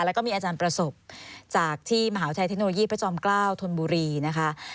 แล้วก็มีอาจารย์ประสบจากที่มหาวิทยาลัยเทคโนโลยีพระจอมเกล้าธนบุรีนะคะ